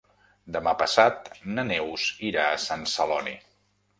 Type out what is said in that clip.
Demà passat na Neus irà a Sant Celoni.